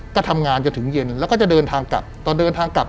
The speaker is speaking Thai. ก็ทำงานจนถึงเย็นแล้วก็จะเดินทางกลับ